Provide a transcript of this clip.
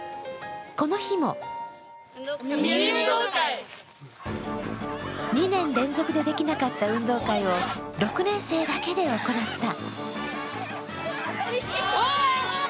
この日も２年連続でできなかった運動会を６年生だけで行った。